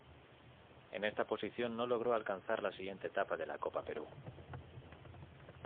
En esta posición, no logró alcanzar la siguiente etapa de la Copa Perú.